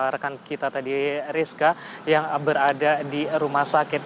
rekan kita tadi rizka yang berada di rumah sakit